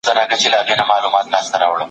بهرنیو یرغلګرو تل پر دي خاوره بریدونه کړي دي.